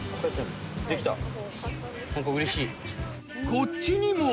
［こっちにも］